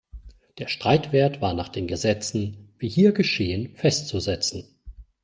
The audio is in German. Der Streitwert war nach den Gesetzen, wie hier geschehen, festzusetzen.